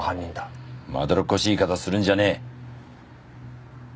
まどろっこしい言い方するんじゃねえ。